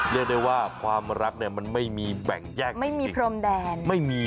เรียกได้ว่าความรักมันไม่มีแบ่งแยกไม่มีพรมแดน